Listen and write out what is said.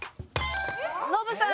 ノブさん。